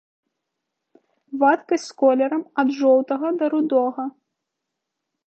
Вадкасць з колерам ад жоўтага да рудога.